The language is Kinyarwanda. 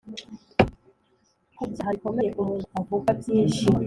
ku byaha bikomeye umuntu uvugwa byishi